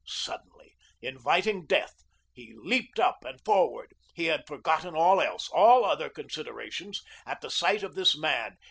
Suddenly, inviting death, he leaped up and forward; he had forgotten all else, all other considerations, at the sight of this man.